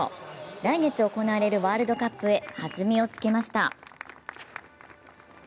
来月行われるワールドカップへ弾みをつけました。